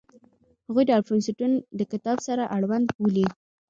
هغوی د الفونستون د کتاب سره اړوند بولي.